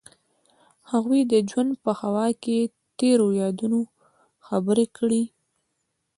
هغوی د ژوند په خوا کې تیرو یادونو خبرې کړې.